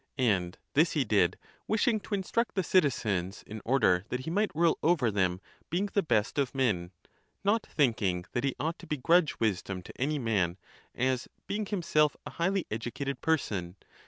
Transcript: And this he did, wishing to instruct® the citizens, in order that he might rule over them being the best of men; nor thinking, that he ought to begrudge wisdom to any man, as being himself a highly educated person.